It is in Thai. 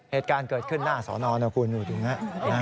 เหตุการณ์เกิดขึ้นหน้าสอนอนนะคุณดูตรงนี้